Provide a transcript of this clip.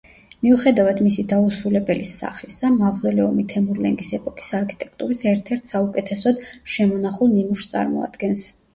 მიუხედავად მისი დაუსრულებელი სახისა, მავზოლეუმი თემურლენგის ეპოქის არქიტექტურის ერთ-ერთ საუკეთესოდ შემონახულ ნიმუშს წარმოადგენს.